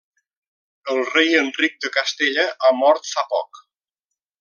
El rei Enric de Castella ha mort fa poc.